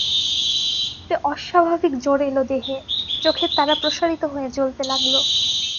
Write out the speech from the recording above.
বলতে বলতে অস্বাভাবিক জোর এল দেহে–চোখের তারা প্রসারিত হয়ে জ্বলতে লাগল।